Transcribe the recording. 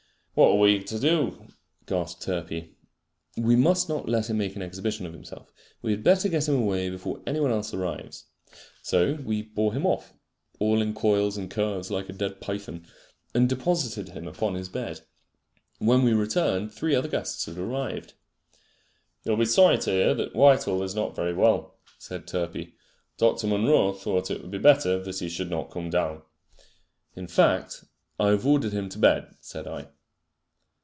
"What are we to do?" gasped Turpey. "We must not let him make an exhibition of himself. We had better get him away before any one else arrives." So we bore him off, all in coils and curves like a dead python, and deposited him upon his bed. When we returned three other guests had arrived. "You'll be sorry to hear that Whitehall is not very well," said Turpey. "Dr. Munro thought it would be better that he should not come down." "In fact, I have ordered him to bed," said I.